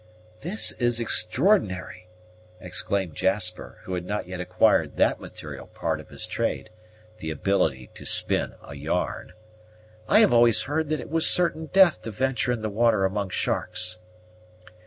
"This is extraordinary!" exclaimed Jasper, who had not yet acquired that material part of his trade, the ability to spin a yarn. "I have always heard that it was certain death to venture in the water among sharks."